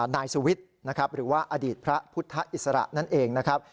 นายสุวิทย์นะครับหรือว่าอดีตพระพุทธอิสระนั่นเองนะครับ